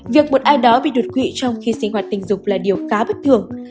việc một ai đó bị đột quỵ trong khi sinh hoạt tình dục là điều khá bất thường